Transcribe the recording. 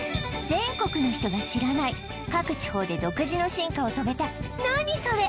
全国の人が知らない各地方で独自の進化を遂げたナニソレ！？